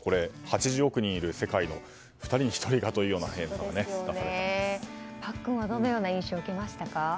８０億人いる世界の２人に１人パックンはどのような印象を受けましたか？